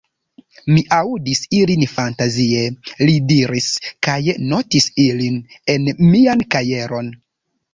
Mi aŭdis ilin fantazie, li diris, kaj notis ilin en mian kajeron.